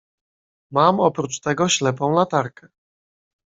"Mam oprócz tego ślepą latarkę."